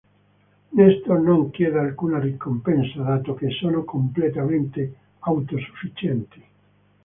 Nestor non chiede alcuna ricompensa, dato che sono completamente autosufficienti.